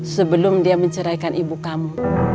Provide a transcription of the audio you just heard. sebelum dia menceraikan ibu kamu